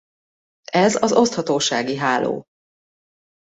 Ez az oszthatósági háló.